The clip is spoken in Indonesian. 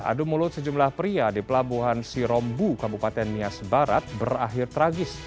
adu mulut sejumlah pria di pelabuhan sirombu kabupaten nias barat berakhir tragis